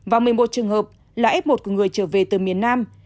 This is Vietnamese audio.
và một mươi một trường hợp là f một của người trở về từ miền nam